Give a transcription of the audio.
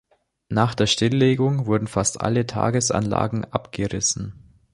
Nach der Stilllegung wurden fast alle Tagesanlagen abgerissen.